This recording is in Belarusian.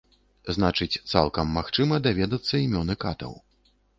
Значыць, цалкам магчыма даведацца імёны катаў.